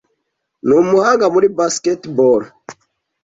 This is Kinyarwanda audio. Ni umuhanga muri basketball.